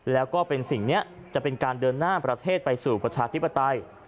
แล้วก็เป็นสิ่งนี้จะเป็นการเดินหน้าประเทศไปสู่ประชาธิปไตย